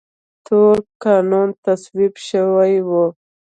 تور قانون تصویب شوی و.